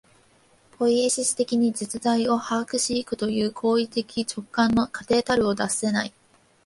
ポイエシス的に実在を把握し行くという行為的直観の過程たるを脱せない。